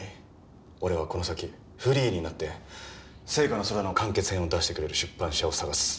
俺はこの先フリーになって『ＳＥＩＫＡの空』の完結編を出してくれる出版社を探す。